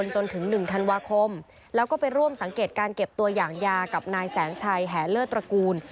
จนถึง๑ธันวาคมแล้วก็ไปร่วมสังเกตการเก็บตัวอย่างยากับนายแสงชัยแหเลิศตระกูล